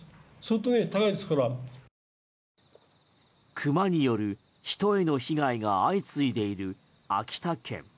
クマによる人への被害が相次いでいる秋田県。